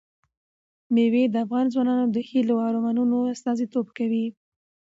مېوې د افغان ځوانانو د هیلو او ارمانونو استازیتوب کوي.